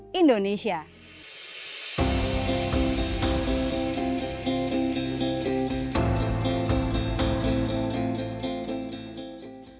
ketika di indonesia kemerdekaan dan kematian kematian di negeri ini